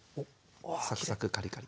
サクサクカリカリ。